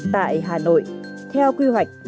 tại hà nội theo quy hoạch